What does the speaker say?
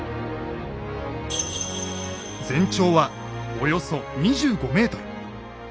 全長はおよそ２５ｍ。